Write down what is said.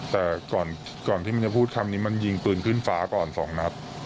แต่ก่อนที่มันจะพูดคำนี้มันยิงปืนขึ้นฟ้าก่อน๒นัด